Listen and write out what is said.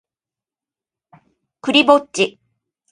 クリぼっち